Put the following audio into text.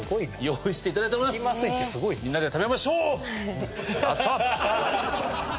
みんなで食べましょう！